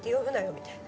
みたいな。